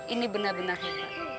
ini benar benar hebat